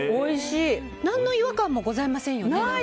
何の違和感もございませんよね。